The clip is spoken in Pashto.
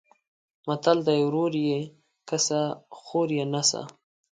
متل دی: ورور یې کسه خور یې نسه.